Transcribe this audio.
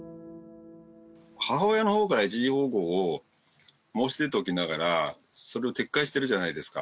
母親のほうから一時保護を申し出ておきながら、それを撤回してるじゃないですか。